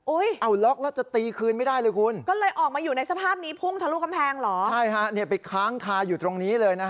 อุ๊ยเอาล็อคแล้วจะตีคืนไม่ได้เลยคุณ